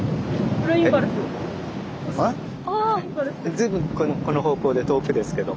随分この方向で遠くですけど。